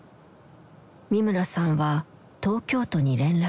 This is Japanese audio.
三村さんは東京都に連絡した。